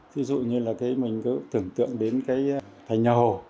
thí dụ như là mình cứ tưởng tượng đến cái thành nhà hồ